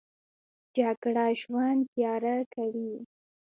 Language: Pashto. جګړه ژوند تیاره کوي